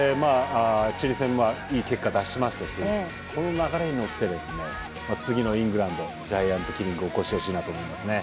チリ戦はいい結果出しましたしこの流れに乗って次のイングランドジャイアントキリングを起こしてほしいなと思いますね。